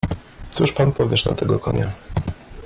"Cóż pan powiesz na tego konia?"